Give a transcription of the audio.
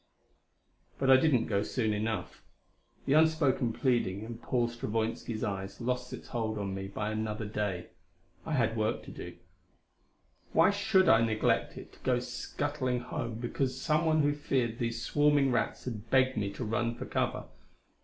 But I didn't go soon enough. The unspoken pleading in Paul Stravoinski's eyes lost its hold on me by another day. I had work to do; why should I neglect it to go scuttling home because someone who feared these swarming rats had begged me to run for cover?